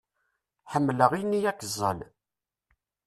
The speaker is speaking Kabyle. Ḥemmelaɣ ini akeẓẓal.